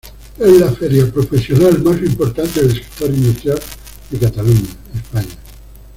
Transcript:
Es la feria profesional más importante del sector industrial de Cataluña, España.